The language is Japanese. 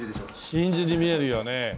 真珠に見えるよね。